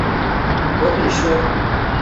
ওহহ, ঈশ্বর।